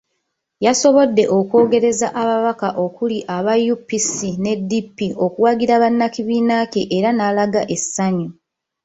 Yasobodde okwogereza ababaka okuli aba UPC ne DP okuwagira bannakibiiina kye era n'alaga essanyu.